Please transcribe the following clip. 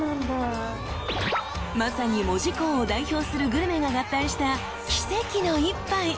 ［まさに門司港を代表するグルメが合体した奇跡の一杯］